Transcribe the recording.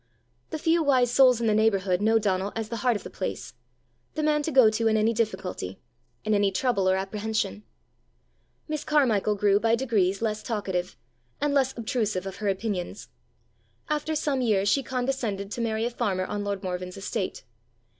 The few wise souls in the neighbourhood know Donal as the heart of the place the man to go to in any difficulty, in any trouble or apprehension. Miss Carmichael grew by degrees less talkative, and less obtrusive of her opinions. After some years she condescended to marry a farmer on lord Morven's estate.